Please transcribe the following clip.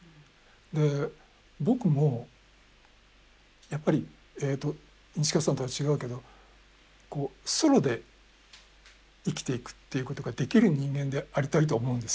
で僕もやっぱり西川さんとは違うけどこうソロで生きていくっていうことができる人間でありたいと思うんですよ。